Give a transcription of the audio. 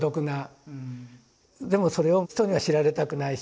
でもそれを人には知られたくないし。